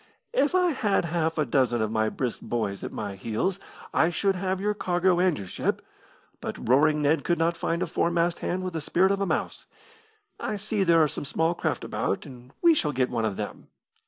"If I had half a dozen of my brisk boys at my heels I should have had your cargo and your ship, but Roaring Ned could not find a foremast hand with the spirit of a mouse. I see there are some small craft about, and we shall get one of them.